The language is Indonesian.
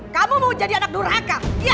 kamu mau jadi anak durhaka